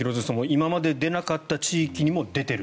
今まで出なかった地域にも出てる。